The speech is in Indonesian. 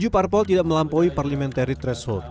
tujuh parpol tidak melampaui parliamentary threshold